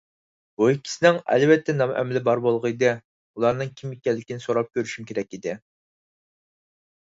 بۇ ئىككىسىنىڭ ئەلۋەتتە نام - ئەمىلى بار بولغىيدى، ئۇلارنىڭ كىم ئىكەنلىكىنى سوراپ كۆرۈشۈم كېرەك ئىدى.